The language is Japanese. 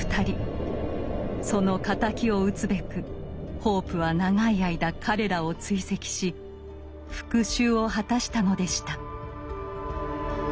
その敵を討つべくホープは長い間彼らを追跡し復讐を果たしたのでした。